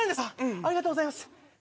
ありがとうございます。